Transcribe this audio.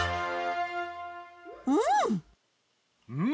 うん！